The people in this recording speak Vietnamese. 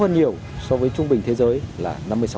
hơn nhiều so với trung bình thế giới là năm mươi sáu